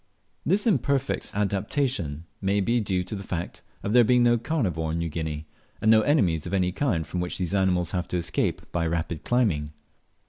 This imperfect adaptation may be due to the fact of there being no carnivore in New Guinea, and no enemies of any kind from which these animals have to escape by rapid climbing.